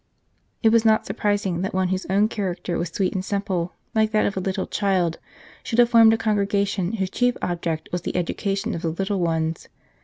It was not surprising that one whose own character was sweet and simple, like that of a little child, should have formed a Congregation whose chief object was the education of the little ones.